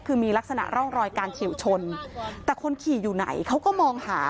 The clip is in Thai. คือมีลักษณะร่องรอยการเฉียวชนแต่คนขี่อยู่ไหนเขาก็มองหา